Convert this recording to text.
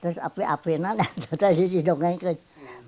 terus api api nanti kita jadi dongeng